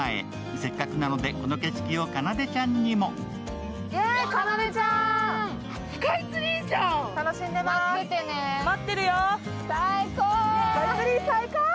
せっかくなのでこの景色をかなでちゃんにも。最高！